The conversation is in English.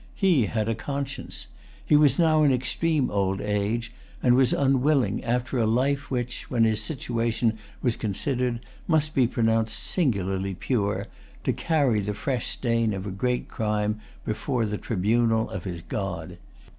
He had a conscience. He was now in extreme old age, and was unwilling, after a life which, when his situation was considered, must be pronounced singularly pure, to carry the fresh stain of a great crime before the tribunal of his God.